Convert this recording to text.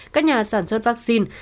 các nhà sản xuất vaccine